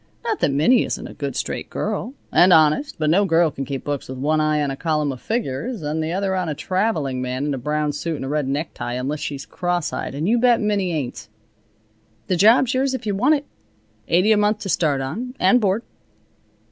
Not that Minnie isn't a good, straight girl, and honest, but no girl can keep books with one eye on a column of figures and the other on a traveling man in a brown suit and a red necktie, unless she's cross eyed, and you bet Minnie ain't. The job's yours if you want it. Eighty a month to start on, and board."